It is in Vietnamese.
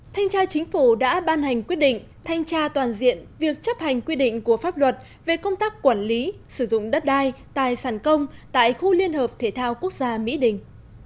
thanh tra chính phủ đã ban hành quyết định thanh tra toàn diện việc chấp hành quy định của pháp luật về công tác quản lý sử dụng đất đai tài sản công tại khu liên hợp thể thao quốc gia mỹ đình